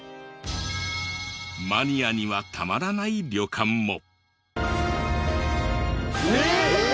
マニアにはたまらない旅館も。ええーっ！？